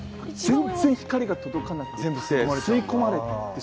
全然光が届かなくて吸い込まれていってしまう。